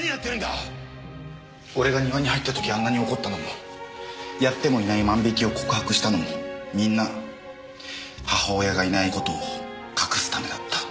俺が庭に入った時あんなに怒ったのもやってもいない万引きを告白したのもみんな母親がいない事を隠すためだった。